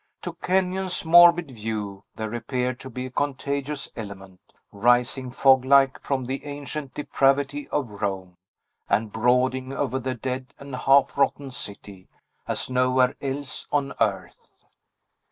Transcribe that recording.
To Kenyon's morbid view, there appeared to be a contagious element, rising fog like from the ancient depravity of Rome, and brooding over the dead and half rotten city, as nowhere else on earth.